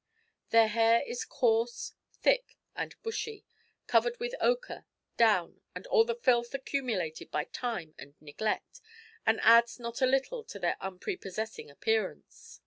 Their hair is coarse, thick, and bushy, covered with ochre, down, and all the filth accumulated by time and neglect, and adds not a little to their unprepossessing appearance.